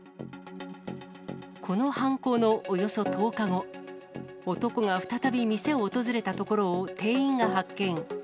この犯行のおよそ１０日後、男が再び店を訪れたところを店員が発見。